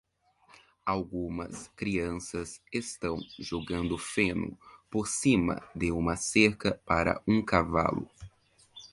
Algumas crianças estão jogando feno por cima de uma cerca para um cavalo.